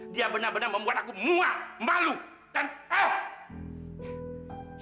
dia benar benar membuat aku muak malu dan eh